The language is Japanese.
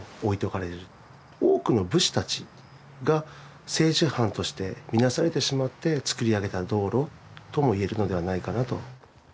多くの武士たちが政治犯として見なされてしまって造り上げた道路ともいえるのではないかなと。